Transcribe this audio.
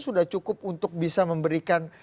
sudah cukup untuk bisa memberikan